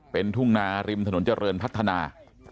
เป็นทุ่งนาริมถนนเจริญพัฒนา